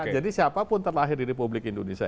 jadi siapapun terlahir di republik indonesia